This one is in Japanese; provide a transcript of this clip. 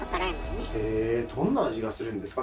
へえどんな味がするんですか？